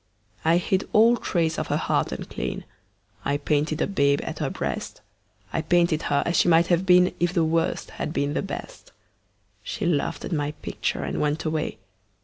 I hid all trace of her heart unclean; I painted a babe at her breast; I painted her as she might have been If the Worst had been the Best. She laughed at my picture and went away.